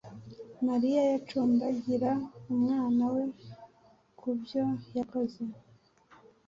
Mariya yacumbagira umwana we kubyo yakoze